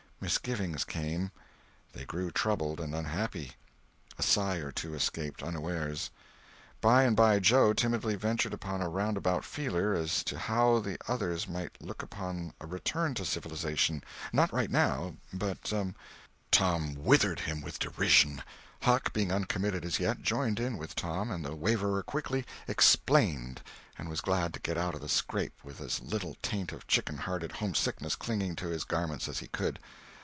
Misgivings came; they grew troubled and unhappy; a sigh or two escaped, unawares. By and by Joe timidly ventured upon a roundabout "feeler" as to how the others might look upon a return to civilization—not right now, but— Tom withered him with derision! Huck, being uncommitted as yet, joined in with Tom, and the waverer quickly "explained," and was glad to get out of the scrape with as little taint of chicken hearted home sickness clinging to his garments as he could.